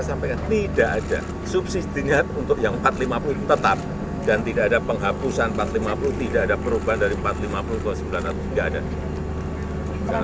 sampaikan tidak ada subsidinya untuk yang empat ratus lima puluh tetap dan tidak ada penghapusan empat ratus lima puluh tidak ada perubahan dari empat ratus lima puluh ke sembilan ratus nggak ada